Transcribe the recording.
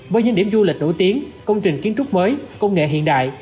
với những điểm du lịch nổi tiếng công trình kiến trúc mới công nghệ hiện đại